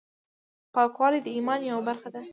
پاکوالی د ایمان یوه برخه ده۔